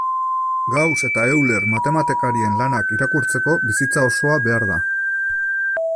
Gauss eta Euler matematikarien lanak irakurtzeko bizitza osoa behar da.